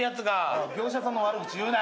おい業者さんの悪口言うな。